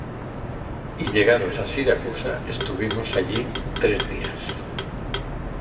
Y llegados á Siracusa, estuvimos allí tres días.